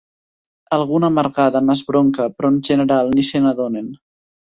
Alguna amargada m'esbronca, però en general ni se n'adonen.